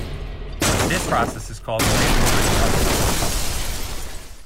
This process is called "spin-orbit coupling".